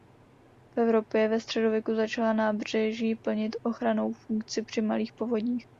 V Evropě ve středověku začala nábřeží plnit ochrannou funkci při malých povodních.